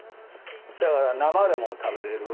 だから生でも食べれる。